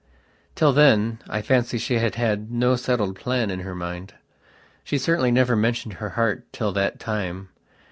Till then, I fancy she had had no settled plan in her mind. She certainly never mentioned her heart till that time.